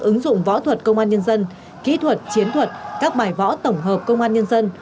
ứng dụng võ thuật công an nhân dân kỹ thuật chiến thuật các bài võ tổng hợp công an nhân dân